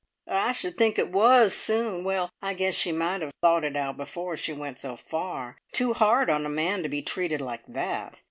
"I should think it was soon! Well, I guess she might have thought it out before she went so far. Too hard on a man to be treated like that.